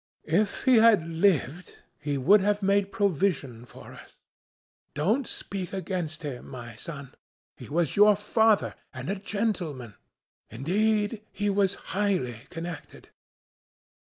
If he had lived, he would have made provision for us. Don't speak against him, my son. He was your father, and a gentleman. Indeed, he was highly connected."